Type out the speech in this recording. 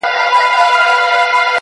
o باغ چي لاښ سي، باغوان ئې خوار سي!